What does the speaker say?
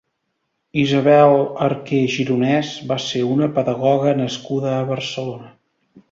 Isabel Arqué Gironès va ser una pedagoga nascuda a Barcelona.